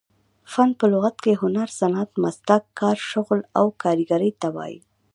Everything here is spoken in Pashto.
فن په لغت کښي هنر، صنعت، مسلک، کار، شغل او کاریګرۍ ته وايي.